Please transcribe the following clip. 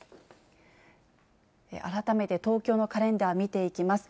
改めて東京のカレンダー見ていきます。